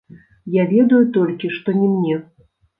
Я ведаю толькі, што не мне.